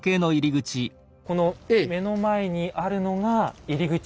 この目の前にあるのが入口。